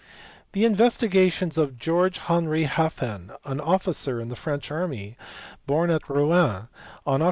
The investigations of Georges Henri Halphen, an officer in the French army, born at Rouen on Oct.